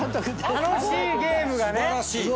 楽しいゲームがね。